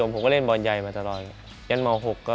มีพี่มาเล่นฟุตศ